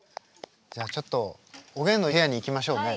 ちょっとおげんの部屋に行きましょうね。